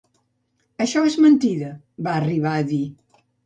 Això és mentida, va arribar a dir.